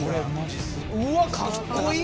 うわっかっこいい！